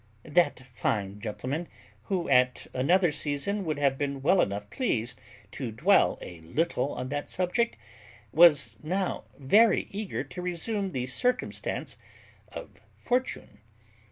That fine gentleman, who at another season would have been well enough pleased to dwell a little on that subject, was now very eager to resume the circumstance of fortune.